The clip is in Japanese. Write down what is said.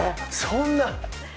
そんな！